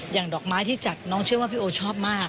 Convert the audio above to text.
ดอกไม้ที่จัดน้องเชื่อว่าพี่โอชอบมาก